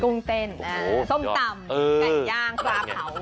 ส้มตำไก่ยางซาเผา